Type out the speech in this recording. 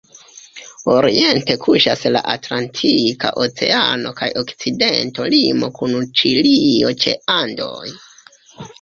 Oriente kuŝas la Atlantika Oceano kaj okcidento limo kun Ĉilio ĉe Andoj.